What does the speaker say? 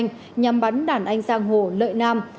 nhằm bắn đàn anh sang hồ lợi nam